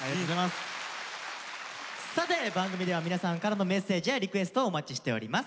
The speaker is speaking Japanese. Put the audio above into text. さて番組では皆さんからのメッセージやリクエストをお待ちしております。